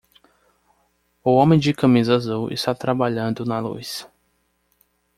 O homem de camisa azul está trabalhando na luz.